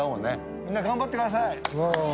みんな頑張ってください。